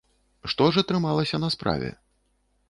Што ж атрымалася на справе?